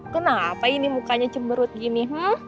kenapa ini mukanya cemberut gini